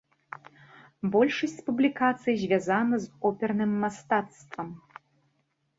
Большасць публікацый звязана з оперным мастацтвам.